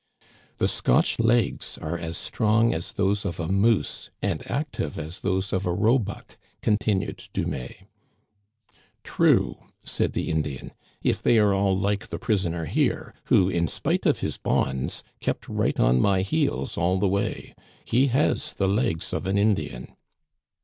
" The Scotch legs are as strong as those of a moose and active as those of a roebuck," continued Dumais. "True," said the Indian, "if they are all like the prisoner here, who, in spite of his bonds, kept right on my heels all the way. He has the legs of an Indian."